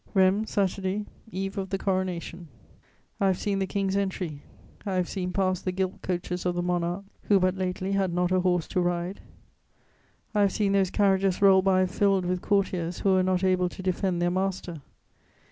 "RHEIMS, Saturday, eve of the Coronation. "I have seen the King's entry; I have seen pass the gilt coaches of the monarch who but lately had not a horse to ride; I have seen those carriages roll by filled with courtiers who were not able to defend their master.